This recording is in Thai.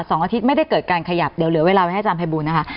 สองอาทิตย์ไม่ได้เกิดการขยับเดี๋ยวเหลือเวลาไว้ให้อาจารย์ภัยบูลนะคะ